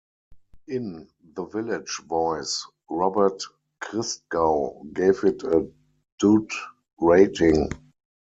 In "The Village Voice", Robert Christgau gave it a "dud" rating.